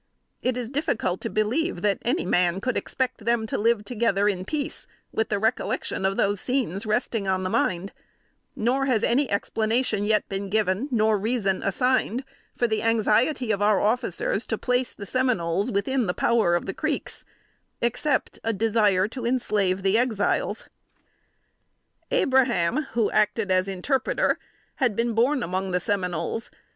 It is difficult to believe that any man could expect them to live together in peace, with the recollection of those scenes resting on the mind; nor has any explanation yet been given, nor reason assigned, for the anxiety of our officers to place the Seminoles within the power of the Creeks, except a desire to enslave the Exiles. Abraham, who acted as interpreter, had been born among the Seminoles.